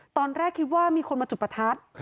ตอนแรกคิดว่ามีคนมาจุดประทัด